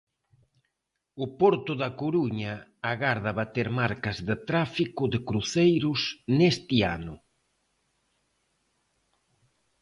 O porto da Coruña agarda bater marcas de tráfico de cruceiros neste ano.